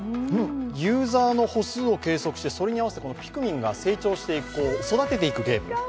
ユーザーの歩数を計測してそれに合わせてピクミンが成長していく、育てていく。